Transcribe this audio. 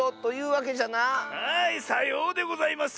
はいさようでございます！